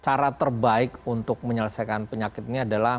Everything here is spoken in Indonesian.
cara terbaik untuk menyelesaikan penyakit ini adalah